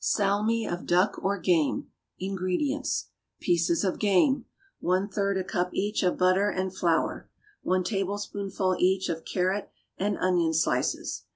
=Salmi of Duck or Game.= INGREDIENTS. Pieces of game. 1/3 a cup, each, of butter and flour. 1 tablespoonful, each, of carrot and onion slices.